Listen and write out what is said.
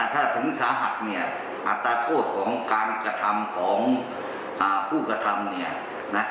ถ้าถึงสหักอัตราโทษของการกระทำของผู้กระทำ